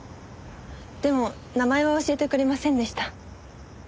でも名前は教えてくれませんでした。